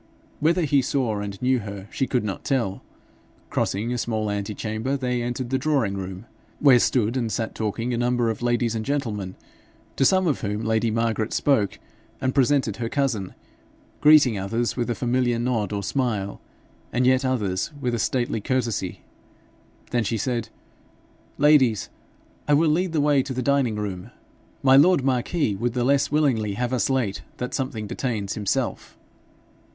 Whether he saw and knew her she could not tell. Crossing a small antechamber they entered the drawing room, where stood and sat talking a number of ladies and gentlemen, to some of whom lady Margaret spoke and presented her cousin, greeting others with a familiar nod or smile, and yet others with a stately courtesy. Then she said, 'Ladies, I will lead the way to the dining room. My lord marquis would the less willingly have us late that something detains himself.'